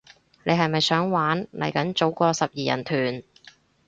你係咪想玩，嚟緊組個十二人團